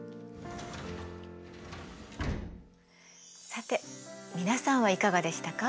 さて皆さんはいかがでしたか？